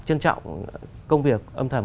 trân trọng công việc âm thầm